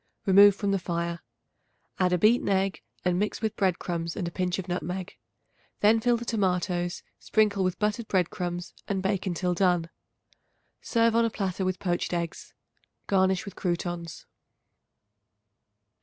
Remove from the fire; add a beaten egg and mix with bread crumbs and a pinch of nutmeg. Then fill the tomatoes, sprinkle with buttered bread crumbs and bake until done. Serve on a platter with poached eggs. Garnish with croutons.